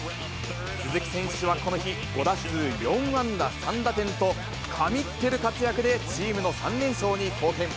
鈴木選手はこの日、５打数４安打３打点と、神ってる活躍でチームの３連勝に貢献。